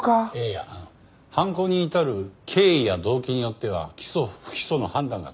いやあの犯行に至る経緯や動機によっては起訴不起訴の判断が変わってくるんですよ。